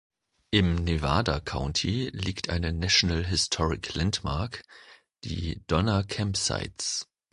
Im Nevada County liegt eine National Historic Landmark, die Donner Camp Sites.